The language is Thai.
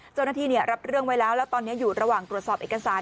เจ้าหน้าที่รับเรื่องไว้แล้วแล้วตอนนี้อยู่ระหว่างตรวจสอบเอกสาร